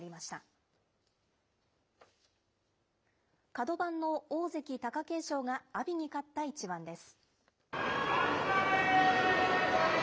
角番の大関・貴景勝が阿炎に勝った一番です。